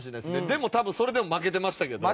でも多分それでも負けてましたけど。